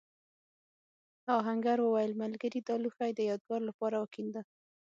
آهنګر وویل ملګري دا لوښی د یادگار لپاره وکېنده.